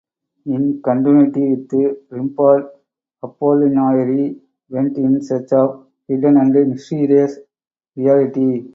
In continuity with Rimbaud, Apollinaire went in search of a hidden and mysterious reality.